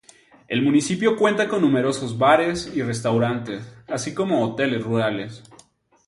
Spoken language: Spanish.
El Municipio cuenta con numerosos bares y restaurantes, así como Hoteles rurales.